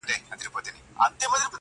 موږ چي د پردیو په ګولیو خپل ټټر ولو.